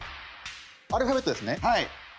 はい。